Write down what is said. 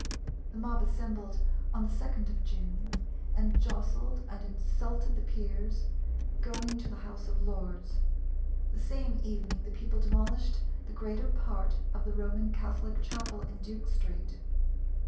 The mob assembled on the 2d of June, and jostled and insulted the Peers going to the House of Lords. The same evening the people demolished the greater part of the Roman Catholic Chapel in Duke Street.